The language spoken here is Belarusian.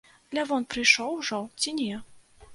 Лявон прыйшоў ужо, ці не?